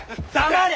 黙れ！